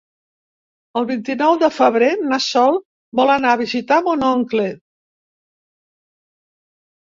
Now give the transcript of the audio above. El vint-i-nou de febrer na Sol vol anar a visitar mon oncle.